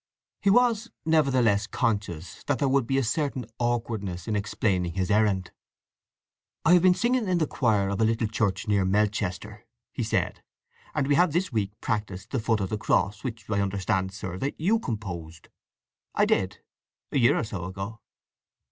He was nevertheless conscious that there would be a certain awkwardness in explaining his errand. "I have been singing in the choir of a little church near Melchester," he said. "And we have this week practised 'The Foot of the Cross,' which I understand, sir, that you composed?" "I did—a year or so ago."